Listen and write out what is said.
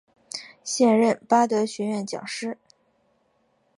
现任巴德学院讲师。